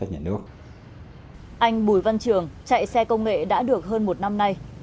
trong trường chạy xe công nghệ đã được hơn một năm nay